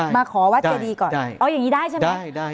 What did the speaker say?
มาขอวัดเจดีก่อนอย่างนี้ได้ใช่ไหมอ๋ออ๋ออ๋ออ๋ออ๋ออ๋ออ๋อ